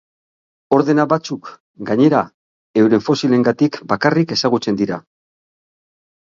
Ordena batzuk, gainera, euren fosilengatik bakarrik ezagutzen dira.